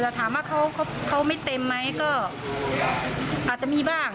แต่ถามว่าเขาไม่เต็มไหมก็อาจจะมีบ้าง